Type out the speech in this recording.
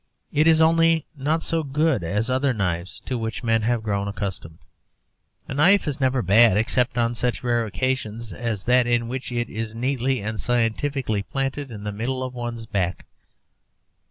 It is only not so good as other knives to which men have grown accustomed. A knife is never bad except on such rare occasions as that in which it is neatly and scientifically planted in the middle of one's back.